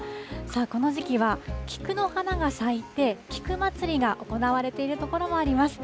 この時期は菊の花が咲いて、菊祭りが行われている所もあります。